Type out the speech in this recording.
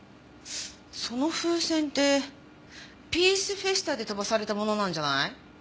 その風船ってピースフェスタで飛ばされたものなんじゃない？